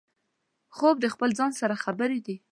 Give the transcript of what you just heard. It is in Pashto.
خوب د خپل ځان سره خبرې دي